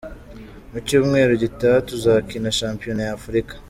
Mu cyumweru gitaha tuzakina shampiyona ya Africa.